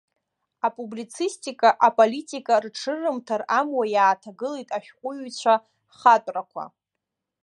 Апублицистика, аполитика рыҽрырымҭар амуа иааҭагылеит ашәҟәыҩҩцәа хатәрақәа.